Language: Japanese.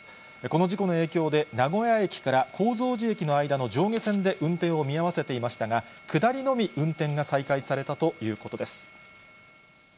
この事故の影響で、名古屋駅から高蔵寺駅の間の上下線で運転を見合わせていましたが、下りのみ運転が再開されたということです。